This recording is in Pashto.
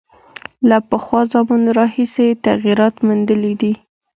له پخوا زمانو راهیسې یې تغییرات میندلي دي.